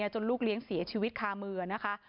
จนลูกเลี้ยงเสียชีวิตคามือนะคะ